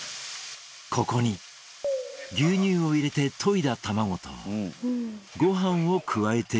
ここに牛乳を入れて溶いた卵とご飯を加えて炒めていく